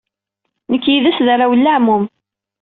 Nekk yid-s d arraw n leɛmum.